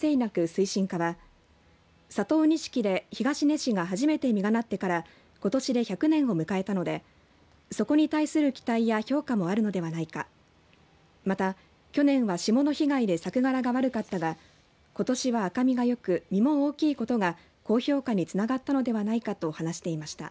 推進課は佐藤錦で東根市が初めて実がなってからことしで１００年を迎えたのでそこに対する期待や評価もあるのではないかまた去年は霜の被害で作柄が悪かったがことしは赤みがよく実も大きいことが高評価につながったのではないかと話していました。